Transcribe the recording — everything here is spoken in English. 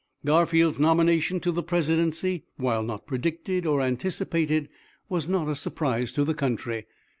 "Garfield's nomination to the presidency, while not predicted or anticipated, was not a surprise to the country.